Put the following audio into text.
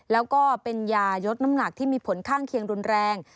แล้วก็เป็นยายดน้ำหนักที่มีผลข้างเคียงรุนแรง